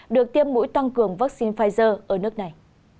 được tiêm mũi tăng cường vaccine pfizer ở nước này